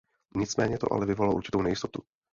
Nicméně to ale vyvolalo určitou nejistotu.